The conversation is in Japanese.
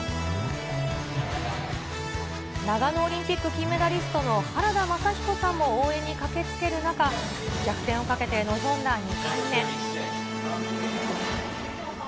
長野オリンピック金メダリストの原田雅彦さんも応援に駆けつける中、逆転をかけて臨んだ